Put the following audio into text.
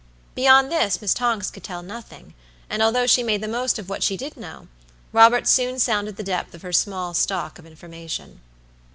Beyond this, Miss Tonks could tell nothing; and although she made the most of what she did know, Robert soon sounded the depth of her small stock of information.